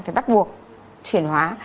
phải bắt buộc chuyển hóa